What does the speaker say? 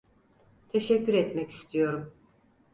Teşekkür etmek istiyorum.